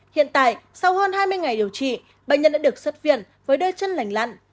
hiện tại sau hơn hai mươi ngày điều trị bệnh nhân đã được xuất viện với đôi chân lành lặn